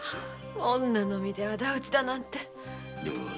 女の身で敵討ちなんて。